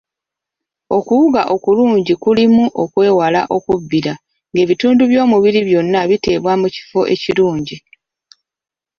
Okuwuga okulungi kulimu okwewala okubbira ng'ebitundu by'omubiri byonna biteebwa mu kifo ekirungi.